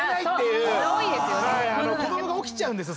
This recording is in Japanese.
子供が起きちゃうんですよ